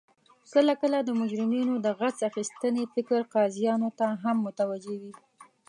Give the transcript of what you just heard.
کله کله د مجرمینو د غچ اخستنې فکر قاضیانو ته هم متوجه وي